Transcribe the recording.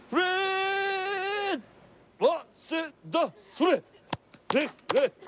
それ！